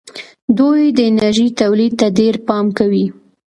دوی د انرژۍ تولید ته ډېر پام کوي.